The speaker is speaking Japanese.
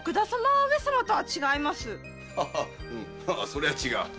ははそりゃ違う。